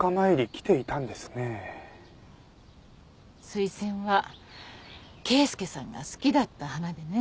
スイセンは慶介さんが好きだった花でね。